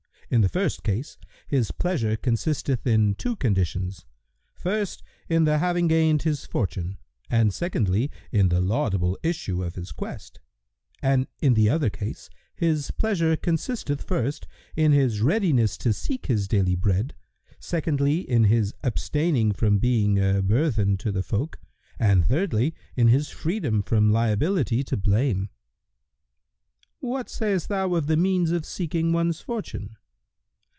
In the first case, his pleasure consisteth in two conditions: first, in the having gained his fortune, and secondly, in the laudable[FN#115] issue of his quest; and in the other case, his pleasure consisteth, first, in his readiness to seek his daily bread; secondly, in his abstaining from being a burthen to the folk, and thirdly, in his freedom from liability to blame." Q "What sayst thou of the means of seeking one's fortune?"